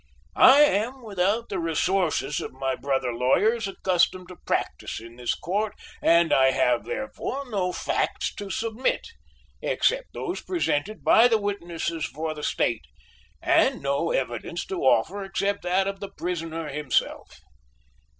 "I am without the resources of my brother lawyers accustomed to practise in this court and I have, therefore, no facts to submit, except those presented by the witnesses for the State, and no evidence to offer, except that of the prisoner himself.